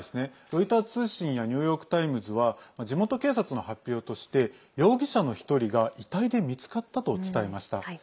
ロイター通信やニューヨーク・タイムズは地元警察の発表として容疑者の１人が遺体で見つかったと伝えました。